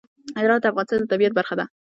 هرات د افغانستان د طبیعت برخه ده.